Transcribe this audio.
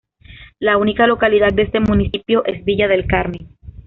La única localidad de este municipio es Villa del Carmen.